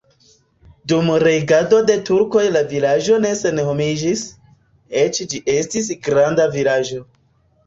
Dum regado de turkoj la vilaĝo ne senhomiĝis, eĉ ĝi estis granda vilaĝo.